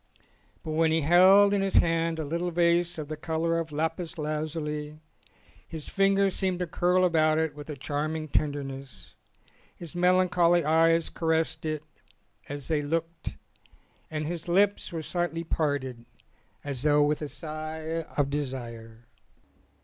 But when he held in his hand a little vase of the colour of lapis lazuli his fingers seemed to curl about it with a charming tenderness, his melancholy eyes caressed it as they looked, and his lips were slightly parted as though with a sigh of desire.